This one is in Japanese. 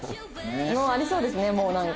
ありそうですねもうなんか。